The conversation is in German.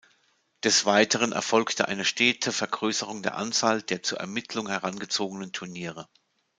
Des Weiteren erfolgte eine stete Vergrößerung der Anzahl der zur Ermittlung herangezogenen Turniere.